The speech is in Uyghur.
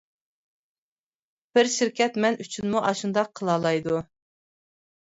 بىر شىركەت مەن ئۈچۈنمۇ ئاشۇنداق قىلالايدۇ.